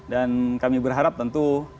dan kami berharap tentu